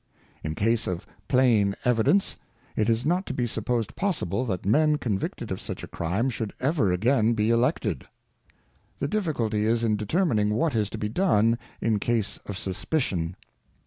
In case of plain Evidence, it is not to be suppos'd possible, that Men convicted of such a Crime should ever again be Elected. The difficulty is in determining what is to be done in case of suspicion.